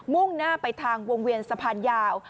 มุ้งหน้าไปทางวงเวียนท่าวังสะพานยาว